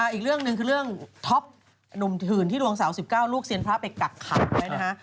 อีกเรื่องหนึ่งคือเรื่องท็อปหนุ่มถื่นที่ลวงสาว๑๙ลูกเซียนพระไปกักขังไว้นะฮะ